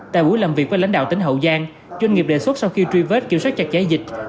tại buổi làm việc với lãnh đạo tỉnh hậu giang doanh nghiệp đề xuất sau khi truy vết kiểm soát chặt cháy dịch